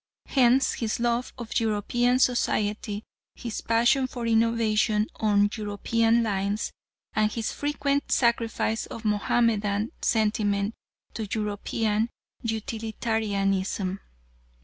Hence his love of European society, his passion for innovation on European lines, and his frequent sacrifice of Mahomedan sentiment to European utilitarianism.